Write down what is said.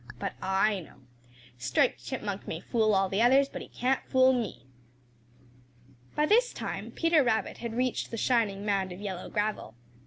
But I know. Striped Chipmunk may fool all the others, but he can't fool me." By this time Peter Rabbit had reached the shining mound of yellow gravel.